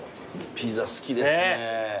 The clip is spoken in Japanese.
ピザ好きですね。